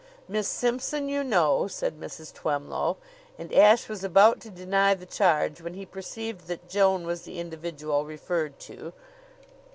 "Miss Simpson you know," said Mrs. Twemlow, and Ashe was about to deny the charge when he perceived that Joan was the individual referred to.